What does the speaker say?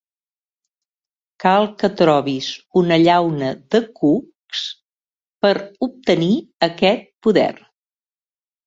Cal que trobis una llauna de cucs per obtenir aquest poder.